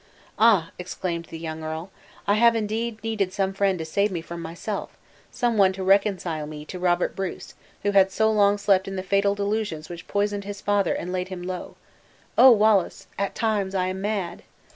"Ah!" exclaimed the young earl, "I have indeed needed some friend to save me from myself, some one to reconcile me to the Robert Bruce who had so long slept in the fatal delusions which poisoned his father and laid him low! Oh! Wallace! at times I am mad.